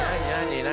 何？